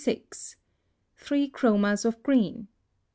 THREE CHROMAS of GREEN.